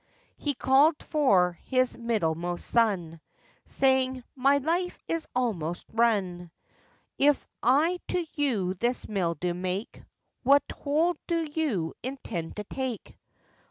He called for his middlemost son, Saying, 'My life is almost run; If I to you this mill do make, What toll do you intend to take?